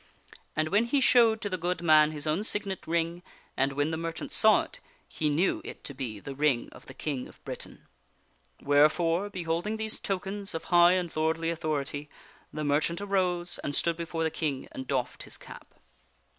And then he showed to the good man his own signet ring, and when the merchant saw it, he knew it to be the ring of the King of Britain. Wherefore, beholding these tokens of high and lordly authority, the merchant arose and stood before the King and doffed his cap.